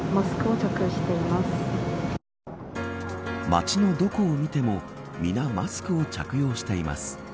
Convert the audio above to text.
街のどこを見てもみんなマスクを着用しています。